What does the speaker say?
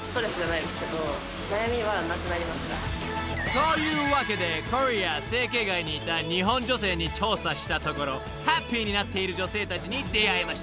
［というわけでコリア・整形街にいた日本女性に調査したところハッピーになっている女性たちに出会えました］